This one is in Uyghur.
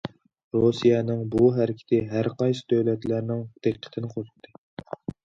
رۇسىيەنىڭ بۇ ھەرىكىتى ھەر قايسى دۆلەتلەرنىڭ دىققىتىنى قوزغىدى.